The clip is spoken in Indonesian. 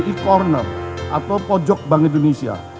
e corner atau pojok bank indonesia